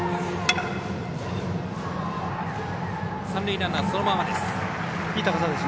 三塁ランナーそのままです。